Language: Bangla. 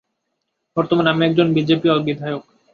বর্তমানে আমি একজন বিজেপি বিধায়ক।'